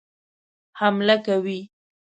حمله کوي.